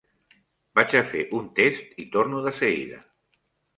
Vaig a fer un test i torno de seguida.